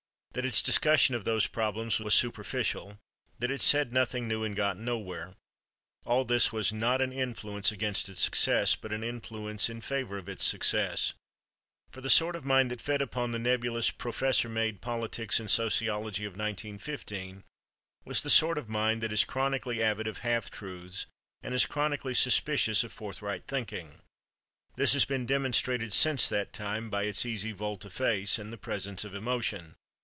That its discussion of those problems was superficial, that it said nothing new and got nowhere—all this was not an influence against its success, but an influence in favor of its success, for the sort of mind that fed upon the nebulous, professor made politics and sociology of 1915 was the sort of mind that is chronically avid of half truths and as chronically suspicious of forthright thinking. This has been demonstrated since that time by its easy volte face in the presence of emotion.